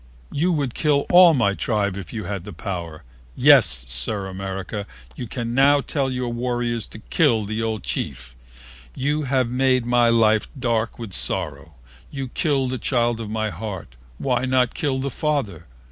You would kill all my tribe if you had the power. Yes, Sir America, you can now tell your warriors to kill the old chief. You have made my life dark with sorrow. You killed the child of my heart. Why not kill the father?